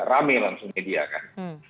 rame langsung media kan